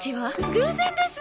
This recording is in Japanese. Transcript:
偶然ですね。